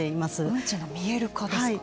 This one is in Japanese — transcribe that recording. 運賃の見える化ですか。